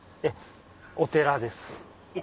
お寺です。